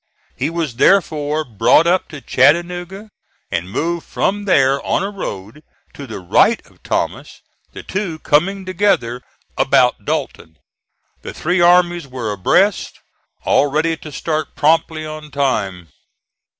He was therefore brought up to Chattanooga and moved from there on a road to the right of Thomas the two coming together about Dalton. The three armies were abreast, all ready to start promptly on time.